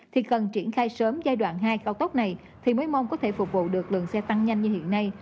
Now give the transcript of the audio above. thì cần triển khai sớm giai đoạn hai cao tốc này thì mới mong có thể phục vụ được lượng xe tăng nhanh như hiện nay